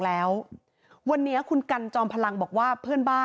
และก็ก็แผล๓๖๕เจ้าหน้า